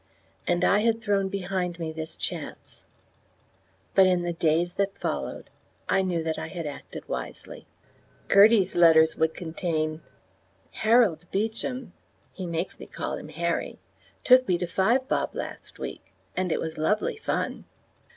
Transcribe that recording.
And I had thrown behind me this chance; but in the days that followed I knew that I had acted wisely. Gertie's letters would contain: "Harold Beecham, he makes me call him Harry, took me to Five Bob last week, and it was lovely fun."